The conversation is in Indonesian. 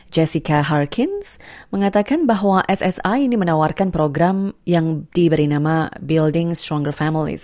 jessica harkins mengatakan bahwa ssa ini menawarkan program yang diberi nama building stronger familys